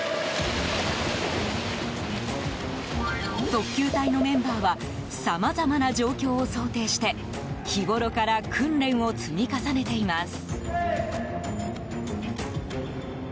特救隊のメンバーはさまざまな状況を想定して日ごろから訓練を積み重ねています。